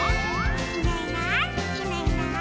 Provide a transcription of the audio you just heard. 「いないいないいないいない」